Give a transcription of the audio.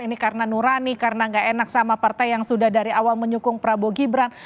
ini karena nurani karena gak enak sama partai yang sudah dari awal menyukung prabowo gibran